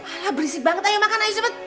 alah berisik banget ayo makan ayo cepet